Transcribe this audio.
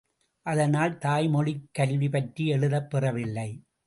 அதனால் தாய்மொழிக் கல்வி பற்றி எழுதப் பெறவில்லை.